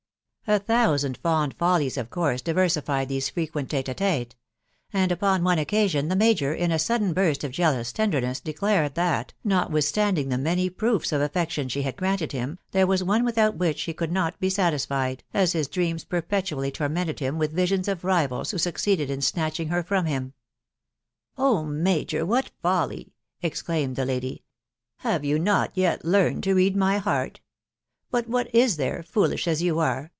A thousand fond follies, of course, diversified these t&c d tStes ; and upon one occasion the major, in a suddem burst of jealous tenderness, declared, that, notwithstanding the many proofs of affection she had granted him, there was one without which he could not be satisfied, as his dreams perpetually tormented him with visions of rivals who suc ceeded in snatching her from him." " Oh ! major, what folly !" exclaimed the lady. €€ Have you not yet learned to read my heart? .... But what is there .•.,. foolish as you are